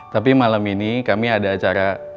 tapi malam ini kami ada acara